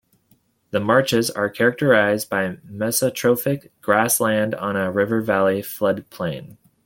The marshes are characterised by mesotrophic grassland on a river valley flood plain.